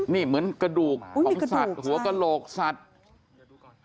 นี่เหมือนกระดูกของสัตว์หัวกระโหลกสัตว์อุ๊ยมีกระดูกค่ะ